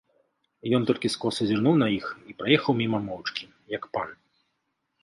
Ён толькі скоса зірнуў на іх і праехаў міма моўчкі, як пан.